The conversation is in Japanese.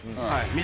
はい。